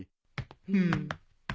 フン。